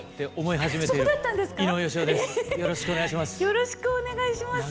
えっよろしくお願いします。